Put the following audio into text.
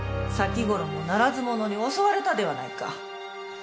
先頃もならず者に襲われたではないか。